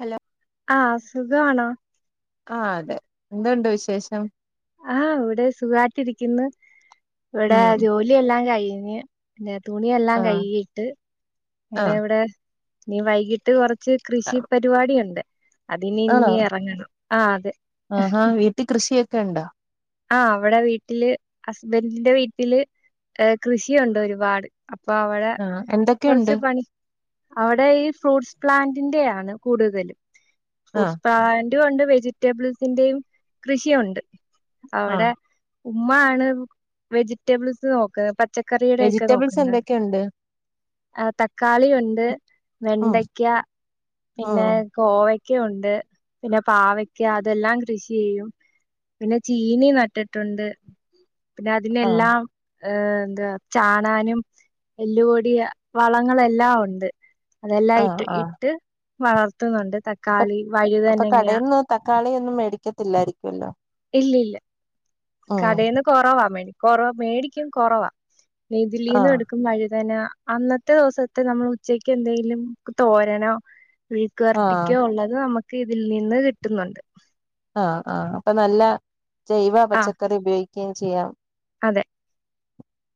Hello ആഹ് സുഖവാണോ ആഹ് അതെ എന്തുണ്ട് വിശേഷം ആഹ് ഇവിടെ സുഖായിട്ട് ഇരിക്കുന്നു ഇവിടെ ഉം ജോലിയെല്ലാം കഴിഞ്ഞ് പിന്നെ തുണിയെല്ലാം ആ കയ്കിട്ട് ആ അങ്ങനെ ഇവിടെ ഇനി വൈകിട്ട് കൊറച്ച് കുച്ച് കൃഷി പരുപാടി ഉണ്ട് അതിനി ആണോ ഇനി എറങ്ങണം ആഹ് അതെ വീട്ടി കൃഷിയൊക്കെ ഒണ്ടോ ആഹ് അവിടെ വീട്ടില് ഹസ്ബൻഡിൻ്റെ വീട്ടില് കൃഷിയൊണ്ടൊരുപാട് അപ്പൊ അവിടെ ആ എന്തൊക്കെയുണ്ട് കൊറച്ച് പണി അവടെ ഈ ഫ്രൂട്ട്സ് പ്ലാന്റിന്റെ ആണ് കൂടുതല് ആ ഫ്രൂട്ട്സ് പ്ലാന് [unintelligible] വെജിറ്റബിൾസിന്റെയും കൃഷിയൊണ്ട് ആ അവ്ടെ ഉമ്മാണ് വെജിറ്റബിൾസ് [unintelligible] പച്ചക്കറിയുടെ ഒക്കെ വെജിറ്റബിൾസ് നോക്കുന്നത് എന്തൊക്കെയുണ്ട് ആഹ് തക്കാളിയൊണ്ട് ഉം വെണ്ടയ്ക്ക പിന്നെ ഉം കോവയ്ക്കയൊണ്ട് പിന്നെ പാവക്ക അതെല്ലാം കൃഷി ചെയ്യും പിന്നെ ചീനി നട്ടിട്ടൊണ്ട് പിന്നെ ആ അതിലെല്ലാം ഏഹ് എന്താ ചാണാനും എല്ലുപൊടിയ വളങ്ങളെല്ലാ ഒണ്ട് അതെല്ലാം ആ ഇട്ട് ആ ഇട്ട് വളർത്തുനൊണ്ട് അപ്പൊ തക്കാളി അപ്പൊ വഴുതനങ്ങ കടയിൽന്ന് തക്കാളിയൊന്നും മേടിക്കത്തില്ലായിരിക്കുവല്ലോ ഇല്ലില്ല കടയിന്ന് കൊറവാ മേട് മേടിക്കും കൊറവാ ആ [unintelligible] എടുക്കും വഴിതന അന്നത്തെ ദിവസത്തെ നമ്മള് ഉച്ചക്ക് എന്തെങ്കിലും തോരനൊ ആ മെഴക്കുവർട്ടിക്കോ ഉള്ളത് നമുക്ക് ഇതിൽ നിന്ന് കിട്ടുന്നുണ്ട് ആഹ് ആഹ് അപ്പൊ നല്ല ജൈവ ആ പച്ചക്കറി ഉപയോഗിക്കുകയും ചെയ്യാം അതെ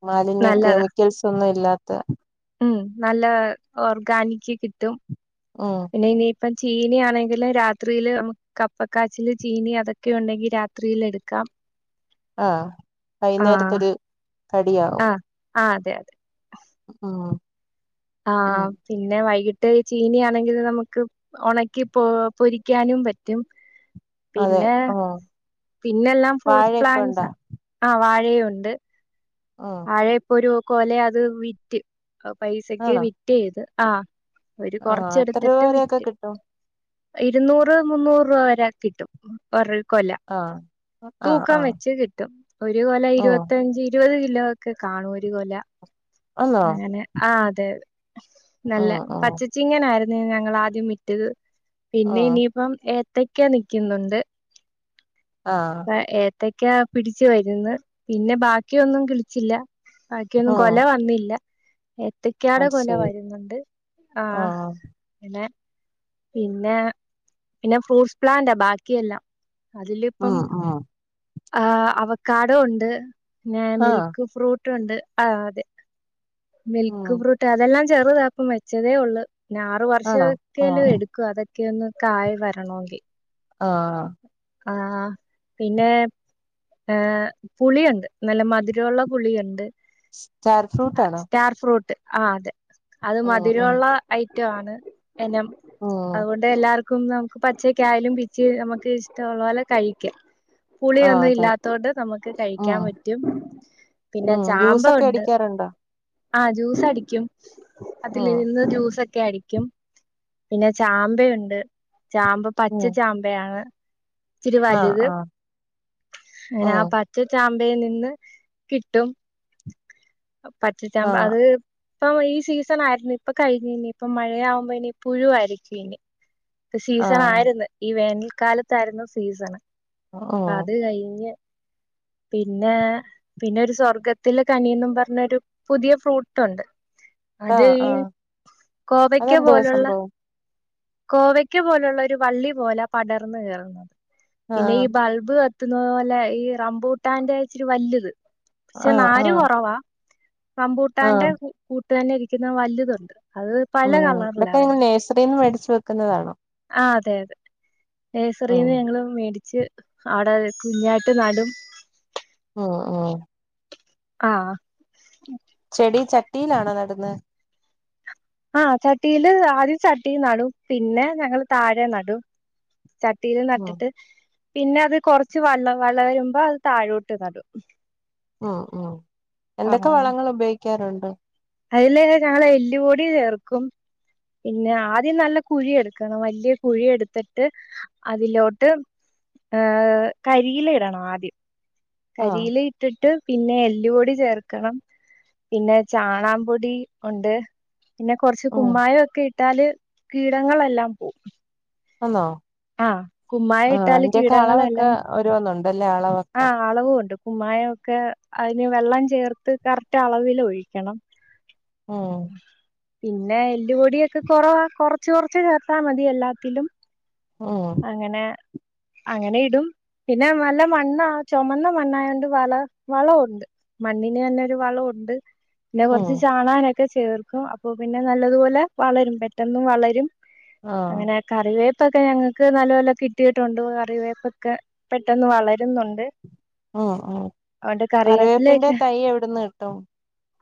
മാലിന്യ നല്ലതാ കെമിക്കൽസ് ഒന്നും ഇല്ലാത്ത ഉം നല്ല ഓർഗാനിക്ക് കിട്ടും ഉം പിന്നെ ഇനിയിപ്പം ചീനയാണെങ്കിലും രാത്രിയില് ന കപ്പക്കാച്ചില് ചീനി അതൊക്കെ ഉണ്ടെങ്കി രാത്രിൽ എടുക്കാം ആഹ് ആ വൈന്നേരത്തൊരു കടിയാവും. ആഹ് അതെ അതെ ഉം ഉം ആഹ് പിന്നെ വൈകിട്ട് ചീനി ആണെങ്കിൽ നമുക്ക് ഒണക്കി പോ പൊരിക്കാനും പറ്റും അതെ പിന്നെ ആഹ് പിന്നെല്ലാം ഫ്രൂട്ട്സ് പ്ലാന്ൻറ്സ ആഹ് വാഴയുണ്ട്. ഉം വാഴ ഇപ്പോ ഒരു കൊലെ അത് വിറ്റ് പൈസക്ക് ആണോ വിറ്റ് ചെയ്ത് ആഹ് ഒരു ആഹ് എത്ര രൂപ കൊറച്ച്ടുത്തിട്ട് വരെയൊക്കെ വിറ്റ് കിട്ടും ഇരുന്നൂറ് മുന്നൂറ് രൂപ വരെ കിട്ടും ഒര് കൊല ആഹ് ആഹ് തൂക്കം ആഹ് വെച്ച് കിട്ടും ഒരു കൊല ഉം ഇരുപത്തഞ്ച് ഇരുപത് കിലോ ഒക്കെ കാണു ഒരു കൊല ആന്നോ അങ്ങനെ ആഹ് അതെതെ നല്ല ഉം ഉം പച്ചച്ചിനിയിരുന്നു ഞങ്ങൾ ആദ്യം വിറ്റത് പിന്നെ ഉം ഇനി ഇപ്പം ഏത്തക്ക നിക്കുന്നുണ്ട് ആഹ് ഏത്തക്കാ പിടിച്ചു വര്ന്ന് പിന്നെ ബാക്കിയൊന്നും കിളിച്ചില്ല ബാക്കിയൊന്നും ഉം കൊല വന്നില്ല എത്തിക്കാടെ അത് ശരി കൊലവരുന്നുണ്ട് ആഹ് പിന്നെ പിന്നെ പിന്നെ ഫ്രൂട്ട്സ് പ്ലാന്റ് ബാക്കിയെല്ലാം അതിലിപ്പം ഉം ഉം ആഹ് അവക്കാടോണ്ട് പിന്നെ ആഹ് മിൽക്ക് ഫ്രൂ ട്ടുണ്ട് ആഹ് അതെ ഉം മിൽക്ക് ഫ്രൂട്ട് അതെല്ലാം ചെറുതാ ഇപ്പം വെച്ചതേ ഉള്ളു ആണോ [unintelligible] ആഹ് എടുക്കും അതൊക്കെയ ഒന്ന് കായ വരണങ്കി ആഹ് ആഹ് പിന്നെ ഏഹ് പുളിയുണ്ട് നല്ല മധുരള്ള പുളിയുണ്ട് സ്റ്റാർ ഫ്രൂട്ട് ആണോ സ്റ്റാർ ഫ്രൂട്ട് ആഹ് അതെ അത് ഉം ഉം മധുരോള്ള ഐറ്റണ് ഇനം ഉം അതുകൊണ്ട് എല്ലാർക്കും കും നമുക്ക് പച്ചക്കായലും പിച്ചി നമുക്ക് ഇഷ്ടമുള്ള പോലെ കഴിക്കാം ആഹ് പുളിയൊന്നും അതെ ഇല്ലാത്തതോണ്ട് നമുക്ക് ഉം കഴിക്കാൻ പറ്റും പിന്നെ ഉം ചാമ്പ ജ്യൂസൊക്കെ ഉണ്ട് അടിക്കാറുണ്ടോ ആ ജ്യൂസ് അടിക്കും അതിലി ഉം രുന്ന് ജ്യൂസ് ലെ അടിക്കും പിന്നെ ചാമ്പയുണ്ട് ചാമ്പ പച്ച ഉം ചാമ്പ [unintelligible] ച്ചിരി ആഹ് വൽത് ആഹ് അങ്ങനെ ആ ഉം പച്ച ചാമ്പയി നിന്ന് കിട്ടും പച്ചചാ മ്പ ആഹ് അത് ഇപ്പൊ ഈ സീസൺ ആയിരുന്നു ഇപ്പൊ കഴിഞ്ഞുനി ഇപ്പം മഴയാവുമ്പോ ഇനി പുഴുവായിരിക്കും ഇനി സീസൺ ആഹ് ആയിരുന്നു ഈ വേനൽക്കാലത്തായിരുന്നു സീസണ് ഉം അത് കഴിഞ്ഞ് പിന്നെ പിന്നെ ഒരു സ്വർഗ്ഗത്തിലെ കനിയും പറഞ്ഞരു പുതിയ ഫ്രൂട്ടുണ്ട് അത് ആഹ് ഈ ആഹ് കോവക്ക അതെന്തുവാ പോലുള്ള സംഭവം കോവയ്ക്ക പോലൊള്ളൊരു വള്ളി പോലാ പടർന്ന് കയറുന്നത്. പിന്നെ ആഹ് ഈ ബൾബ് ക ത്ത്ന്നത് പോലെ ഈ റമ്പുട്ടാന്റെ ഇച്ചിരി വലുത്. പക്ഷെ ആഹ് നാര് ആഹ് കൊറവാ ആഹ് റമ്പൂട്ടാന്റെ കു കൂട്ട്ലന്നെ ഇരിക്കുന്ന വലുത്ണ്ട് അത് പല ഹ്മ്മ് കളറിലാ ഇതൊക്കെ നിങ്ങള് നേഴ്സറിന്ന് പടിച്ചു വെക്കുന്നതാണോ ആഹ് അതെ അതെ, ഉം നഴ്സറിന്ന് ഞങ്ങള് മേടിച്ച് അവിടെ കുഞ്ഞായിട്ട് നടും. ആഹ് ആഹ് ആഹ് ചെടി ചട്ടിയിലാണോ നടുന്നെ ആഹ് ചട്ടിയില് ആദ്യം ചട്ടി നടും പിന്നെ ഞങ്ങള് താഴെ നടും. ചട്ടിയില് ഉം നട്ടിട്ട്, പിന്നെ അത് കൊറച്ച് വള വളരുമ്പോ അത് താഴോട്ട് നടും ആഹ് ആഹ് എന്തൊക്കെ വളങ്ങളുപയോഗിക്കാറുണ്ട് അയില് ഞാന് എല്ലുപൊടി ചേർക്കും പിന്നെ ആദ്യം നല്ല കുഴിയെടുക്കണം വല്യയ കുഴി എടുത്തിട്ട് അതിലോട്ട് ഏഹ് കരിയില ഇടണം ആദ്യം ആഹ് കരിയില ഇട്ടിട്ട് പിന്നെ എല്ല്പൊടി ചേർക്കണം പിന്നെ ചാ റാംപൊടി ഒണ്ട് പിന്നെ കൊറച്ച് ഉം കുമ്മായം ഒക്കെ ഇട്ട് ഇട്ടാല് കീടങ്ങളെല്ലാം പോവും. ആന്നോ ആഹ് കുമ്മായം ആഹ് ഇട്ടാല് എന്റെയൊക്കെ അളവൊക്കെ കീടങ്ങളെല്ലാം ഓരോന്നുണ്ടല്ലേ അളവൊക്കെ ആഹ് അളവുണ്ട് കുമ്മായൊക്കെ അയിന് വെള്ളം ചേർത്ത് കറക്റ്റളവില് ഒഴിക്കണം. ഉം [inaudible] പിന്നെ എല്ലുപൊടിയൊക്കെ കൊറവാ കൊറച്ച് കൊറച്ച് ചേർത്താ മതി എല്ലാത്തിലും ഓഹ് അങ്ങനെ അങ്ങനെ ഇടും പിന്നെ നല്ല മണ്ണാ ചൊമന്ന മണ്ണായോണ്ട് വള വളവുണ്ട്. മണ്ണിന് നല്ലൊരു വളവുണ്ട്. പിന്നെ ഉം കൊറച്ച് ചാണാനൊക്കെ ചേർക്കും അപ്പൊ പിന്നെ നല്ലതുപോലെ വളരും പെട്ടന്ന് വളരും ആഹ് കറിവേപ്പ് ഒക്കെ ഞങ്ങൾക്ക് നല്ലപോലെ കിട്ടിയിട്ടുണ്ട് കറിവേപ്പൊക്കെ പെട്ടൊന്ന് വളരുന്നുണ്ട്. ഹ്മ്മ് ഹ്മ്മ് അതുകൊണ്ട് കറിവേപ്പിന്റെ തൈ എവിടുന്ന് കിട്ടും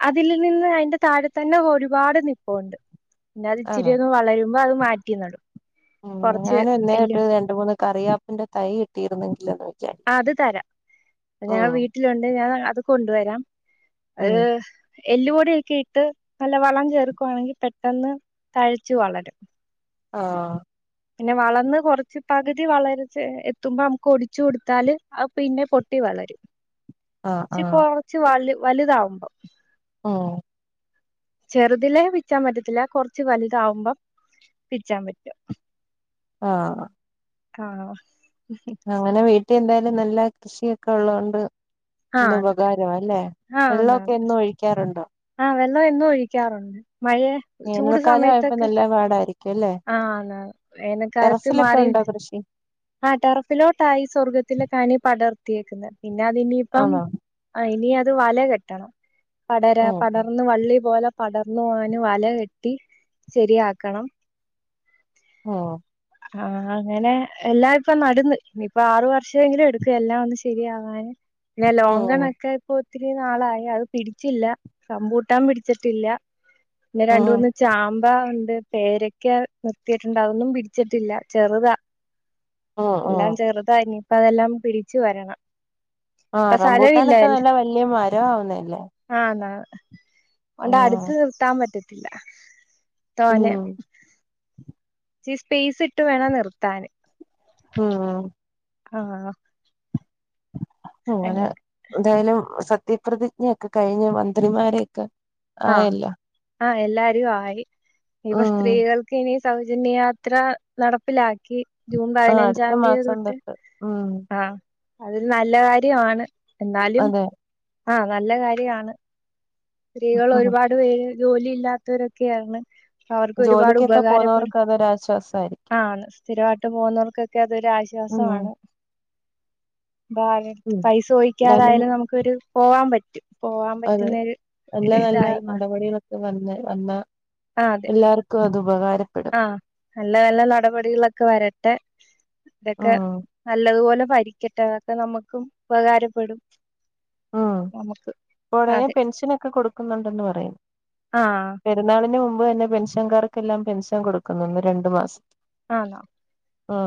അതിലിൽ നിന്ന് അതിന്റെ താഴെ തന്നെ ഒരുപാട് നിപ്പുണ്ട് പിന്നത് ഇച്ചിരി ആണോ ഒന്ന് വളരുമ്പോ അത് മാറ്റി നടും. ഹ്മ്മ് കുറച്ച് ഞാൻ എല്ല് എന്നെത്തൊട്ട് രണ്ട് മൂന്ന് കറിയാപ്പിന്റെ തൈ കിട്ടിയിരുന്നു [unintelligible] ആഹ് അത് തരാം. ഞാൻ വീട്ടിലുണ്ട് ഞാൻ അത് കൊണ്ടുവരാം. ഉം അത് എല്ലുപൊടിയൊക്കെ ഇട്ട് നല്ല വളം ചേർക്കുവാണെങ്കിൽ പെട്ടെന്ന് തഴ്ച്ച് വളരും. ആഹ്. പിന്നെ വളർന്ന് കൊറച്ച് പകുതി വളറ്ച്ചെ എത്തുമ്പോ നമുക്ക് ഒടിച്ചു കൊടുത്താല് അത് പിന്നെ പൊട്ടി വളരും. ആഹ് ച്ചി ആഹ് കൊറച്ച് വല് വലുതാവുമ്പോ ഹ്മ്മ് ചെറ്തിലേ പിച്ചാൻ പറ്റത്തില്ല, കൊറച്ച് വലുതാവുമ്പം പിച്ചാൻ പറ്റും. ആഹ് ആഹ് [inaudible] അങ്ങനെ വീട്ടി എന്തായാലും നല്ല കൃഷിയൊക്കെ ഉള്ളോണ്ട് ആഹ് എന്തുപകാരാല്ലേ ആഹ് അതാ ഒഴിക്കാറ്ണ്ടോ? ആഹ് വെള്ളം എന്നും ഒഴിക്കാറുണ്ട്. മഴേ വേനൽക്കാലായപ്പം നല്ല പാടായിരിക്കല്ലേ. ആഹ് അതാണ് വേനൽക്കാലത്ത് ടെറസിലൊക്കെ മാറി ഉണ്ടോ കൃഷി ആഹ് ടെറസിലോട്ടാ ഈ സ്വർഗ്ഗത്തിലെ കാനി പടർത്തിയേക്കുന്നെ പിന്നെ അത് ഇനിയിപ്പം ആണോ ആഹ് ഇനി അത് വല കെട്ടണം പടരാ പട ഉം ഒന്ന് വള്ളി പോലെ പടർന്നു പോവാന് വല കെട്ടി ശരിയാക്കണം ഓഹ് ആഹ് അങ്ങനെ എല്ലാ ഇപ്പൊ നടുന്ന് ഇനീപ്പൊ ആറു വർഷെങ്കിലും എടുക്കും എല്ലാം ഒന്ന് ശരിയാവാൻ ഞാൻ ഉം ലോങ്കണൊക്കെ ഇപ്പൊ ഒത്തിരി നാളായി അത് പിടിച്ചില്ല റമ്പൂട്ടാൻ പിടിച്ചിട്ടില്ല പിന്നെ ഉം രണ്ടൂന്ന് ചാമ്പ ഉണ്ട് പേരയ്ക്ക നിർത്തിയിട്ടുണ്ട് അതൊന്നും പിടിച്ചിട്ടില്ല ചെറുതാ ഉം ഉം എല്ലാം ചെറുതാ ഇനീപ്പോ അതെല്ലാം പിടിച്ചു വരണം ആഹ് ഇപ്പൊ സ്ഥലമില്ല റംമ്പൂട്ടാനൊക്കെ നല്ല വലിയ മരം ആവുന്നല്ലേ ആഹ് അതോണ്ട് അടുത്ത് ഉം നിർത്താൻ പറ്റത്തില്ല തോനെ ഉം ഇച്ചിരി സ്പേയ്സ് ഇട്ട് വേണോത് നിർത്താന് ആഹ് ആഹ് അങ്ങനെ എന്തായാലും സത്യപ്രതിജ്ഞയൊക്കെ കഴിഞ്ഞ് മന്ത്രിമാര് ആഹ് ആയില്ല ആഹ് എല്ലാരും ആയി ഇനീപ്പൊ ഉം സ്ത്രീകൾക്കിനി സൗജന്യയാത്ര നടപ്പിലാക്കി ജൂൺ ആഹ് അടുത്ത പതിനഞ്ചാം തീയതി മാസം തൊട്ട് ഉം ആഹ് അതൊരു നല്ല കാര്യവാണ് എന്നാലും അതെ ആഹ് നല്ല കാര്യം ആണ് സ്ത്രീകള് ഒരുപാട് പേര് ജോലി ഇല്ലാത്തോരൊക്കെയാണ് അവർക്ക് ഒരുപാട് ഉപകാരപ്പെടും നല്ല സാരി ആന്ന് സ്ഥിരായിട്ട് പോകുന്നവർക്കൊക്കെ അതൊരു ഉം ആശ്വാസവാണ് ആരടെടുത്തും ഉം പൈസ എന്തായാലും ചോയിക്കാതായാലും നമുക്കൊരു പോവാൻ പറ്റും പോവാൻ അതെ പറ്റുന്നെ ഒരു നല്ല നല്ല നടപടികളൊക്കെ വന്ന് വന്നാ ആഹ് അതെ എല്ലാർക്കും അത് ഉപകാര ആഹ് നല്ല നല്ല നടപടികളൊക്കെ വരട്ടെ ഇതൊക്കെ ഉം നല്ലതുപോലെ ഭരിക്കട്ടെ അതൊക്കെ നമ്മക്കും ഉപകാരപ്പെടും ആഹ് നമുക്ക് ഉടനെ അതെ പെൻഷനൊക്കെ കൊടുക്കുന്നുണ്ടെന്ന് പറയുന്ന് ആഹ് പെ രുന്നാളിന് മുമ്പ് തന്നെ പെൻഷൻകാർക്കെല്ലാം പെൻഷൻ കൊടുക്കുന്നുന്ന് രണ്ടു മാസം ആണോ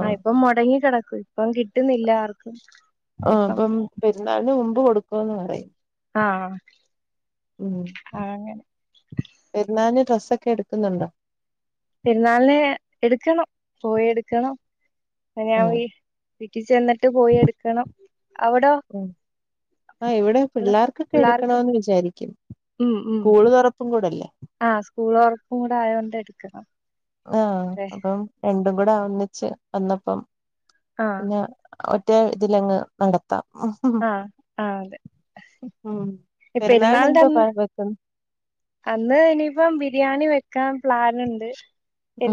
ആഹ് ഇപ്പൊ മൊടങ്ങി കിടക്കുവാ ഇപ്പം കിട്ടുന്നില്ല ആർക്കും ആഹ് ഇപ്പം അപ്പം പെരുന്നാളിന് മുമ്പ് കൊടുക്കുന്ന് പറയുന്ന് ആഹ് ആഹ് അങ്ങനെ പെരുന്നാളിന് ഡ്രസ്സൊക്കെ എടുക്കുന്നുണ്ടോ പെരുന്നാളിന് എടുക്കണം പോയി എടുക്കണം ഞാൻ ഉം വി വീട്ടിൽ ചെന്നിട്ട് പോയി എടുക്കണം അവിടോ ഉം ആഹ് ഇവിടെ അവിടെ പിള്ളേർക്കൊക്കെ പിള്ളേർക്ക് എടുക്കണോന്ന് വിചാരിക്കും ഉം ഉം സ്കൂള് തുറ [unintelligible] ആഹ് സ്കൂള് തുറക്കും കൂടെ ആയതോണ്ട് എടുക്കണം ആഹ് അതെ അപ്പം രണ്ടും കൂടെ ഒന്നിച്ച് വന്നപ്പം ആഹ് പിന്നെ ഒറ്റ ഇതിലങ്ങ് നട ആഹ് ആഹ് അതെ ഉം ഈ പെരുന്നാളിന് പെരുന്നാളിന്റെ അന്ന് എന്താ [unintelligible] അന്ന് ഇനിയിപ്പം ബിരിയാണി വെക്കാൻ പ്ലാൻ ഉണ്ട്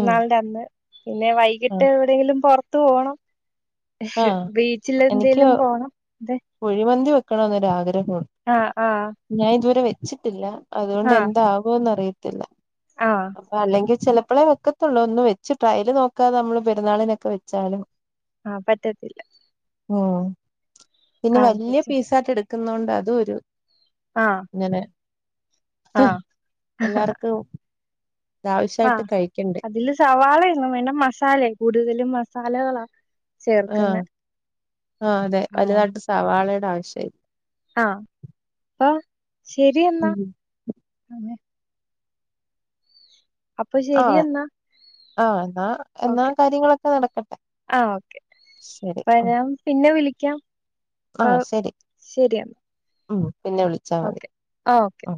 ഉം അന്ന് പിന്നെ വൈകിട്ട് ആഹ് എവിടെയങ്കിലും പുറത്ത് പോണം ആഹ് ബീച്ചില് എനിക്ക് എന്തേലും പോണം കുഴിമന്തി വെക്കണമന്ന് ഒരു ആഗ്രഹം ഉണ്ട് ആഹ് ആഹ് ഞാൻ ഇതുവരെ വെച്ചിട്ടില്ല അതുകൊണ്ട് ആഹ് എന്താകോന്ന് അറിയത്തില്ല ആഹ് അപ്പൊ അല്ലെങ്കിൽ ചിലപ്പോളെ വെക്ക ത്തൊള്ളൂ ഒന്ന് വെച്ച് ട്രയല് നോക്കാതെ നമ്മള് പെരുന്നാളിനൊക്കെ വെച്ചാല് ആഹ് പറ്റത്തില്ല ഉം പിന്നെ ആഹ് വലിയ വെച്ചു പീസാക്കി എടുക്കിന്നോണ്ട് അതൊരു ആഹ് ഇങ്ങനെ ആഹ് എല്ലാർക്കും ആവശ്യമായിട്ട് ആഹ് കഴിക്കണ്ടേ അതില് സവാളായും പിന്നെ മസാല കൂടുതലും മസാലകളാ ചേർക്കുന്നെ ആഹ് ആഹ് അതെ ആഹ് വലുതാട്ട് സവാളയുടെ ആവശ്യല്ല ആഹ്. അപ്പം ശെരിന്ന ഉം അപ്പൊ ആഹ് ശരിയെന്നാ ആഹ് എന്നാ എന്നാ കാര്യങ്ങളൊക്കെ നടക്കട്ടെ ആഹ് ഓക്കെ ശരി അപ്പ ഉം ഞാൻ പിന്നെ വിളിക്കാം അപ്പൊ ആഹ് ശരി ശരി എന്നാ ഉം പിന്നെ വിളി ഓക്കെ ആഹ് ഓക്കെ